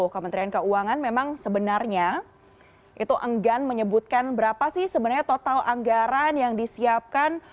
kementerian keuangan memang sebenarnya itu enggan menyebutkan berapa sih sebenarnya total anggaran yang disiapkan